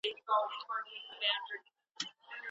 په قلم خط لیکل د لوستل سوي متن د هضمولو لاره ده.